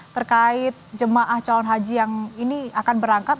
terkait jemaah calon haji yang ini akan berangkat